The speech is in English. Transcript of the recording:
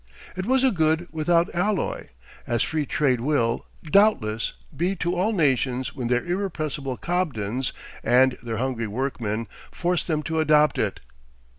It was a good without alloy, as free trade will, doubtless, be to all nations when their irrepressible Cobdens and their hungry workmen force them to adopt it.